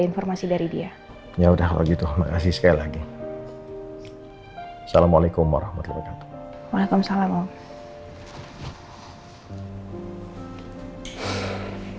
informasi dari dia ya udah kalau gitu makasih sekali lagi assalamualaikum warahmatullahi wabarakatuh waalaikumsalam